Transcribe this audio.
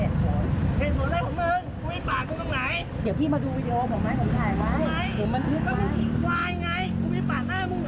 เดี๋ยวคุณสกลโกะไงคุณเปลี่ยนปากหน้ามึงหรอ